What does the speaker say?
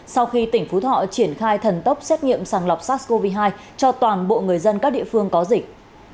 sau khi tỉnh phú thọ triển khai thần tốc xét nghiệm sàng lọc sars cov hai cho toàn bộ người dân các địa phương có dịch